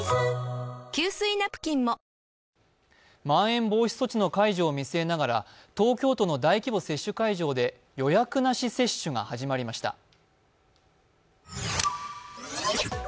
まん延防止措置の解除を見据えながら、東京都の大規模接種会場で予約なし接種が始まりました。